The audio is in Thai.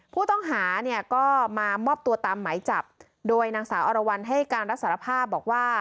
ผู้ต้องหาเนี่ยก็มามอบตัวตามไหมจับโดยนางสาวอรวรรณให้การรับสารภาพบอกว่า